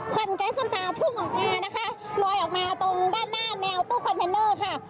วันแก๊สน้ำตาพุ่งออกมานะคะลอยออกมาตรงด้านหน้าแนวตู้คอนเทนเนอร์ค่ะ